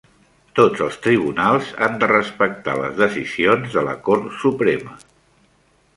Tots els tribunals han de respectar les decisions de la Cort Suprema.